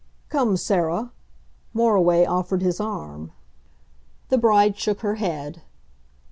"Come, Sarah." Moriway offered his arm. The bride shook her head.